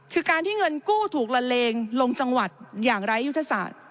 คือการที่เงินกู้ถูกละเลงลงจังหวัดอย่างไร้ยุทธศาสตร์